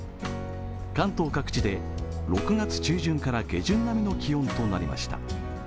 関東各地で６月中旬から下旬並みの気温となりました。